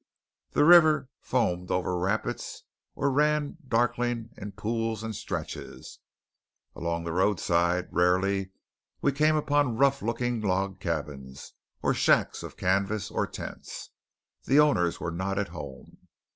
The river foamed over rapids or ran darkling in pools and stretches. Along the roadside, rarely, we came upon rough looking log cabins, or shacks of canvas, or tents. The owners were not at home.